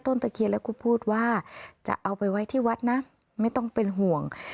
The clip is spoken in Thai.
ตะเคียนแล้วก็พูดว่าจะเอาไปไว้ที่วัดนะไม่ต้องเป็นห่วง